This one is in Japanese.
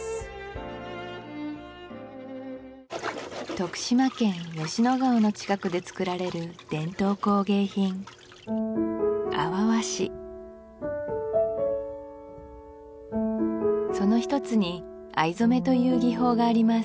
徳島県吉野川の近くで作られる伝統工芸品その一つに藍染めという技法があります